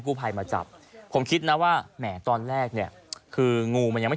กู้พายมาจับผมคิดน่ะว่าหน่ะตอนแรกนี่คืองูมันยังไม่